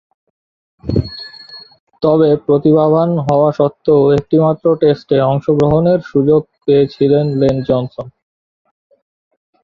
তবে, প্রতিভাবান হওয়া সত্ত্বেও একটিমাত্র টেস্টে অংশগ্রহণের সুযোগ পেয়েছিলেন লেন জনসন।